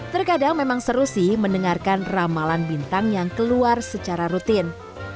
terkadang memang seru sih mendengarkan ramalan bintang yang keluar secara rutin